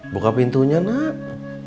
buka pintunya nak